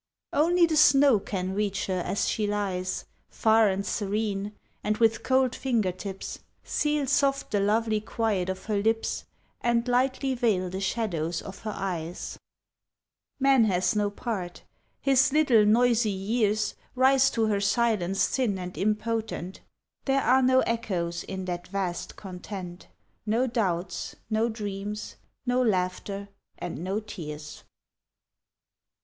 Only the snow can reach her as she lies, Far and serene, and with cold finger tips Seal soft the lovely quiet of her lips And lightly veil the shadows of her eyes. Man has no part his little, noisy years Rise to her silence thin and impotent There are no echoes in that vast content, No doubts, no dreams, no laughter and no tears!